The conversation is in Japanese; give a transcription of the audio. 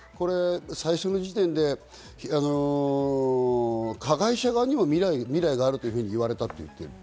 最初の時点で、加害者側にも未来があるというふうに言われたと言っている。